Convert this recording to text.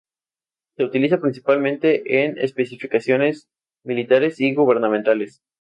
Se utiliza principalmente en especificaciones militares y gubernamentales.